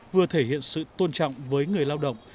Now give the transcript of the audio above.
vừa thể hiện sự tôn trọng với người lao động